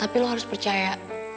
tapi anda harus percaya